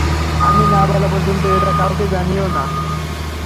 আমি না বলা পর্যন্ত এটা কাউকে জানিয়ো না।